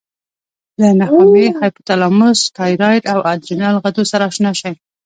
له نخامیې، هایپوتلاموس، تایرایډ او ادرینال غدو سره آشنا شئ.